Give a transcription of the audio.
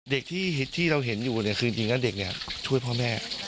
เด็กที่เราเห็นอยู่เนี่ยคือจริงแล้วเด็กเนี่ยช่วยพ่อแม่